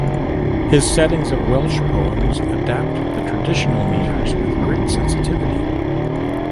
His settings of Welsh poems adapt the traditional metres with great sensitivity.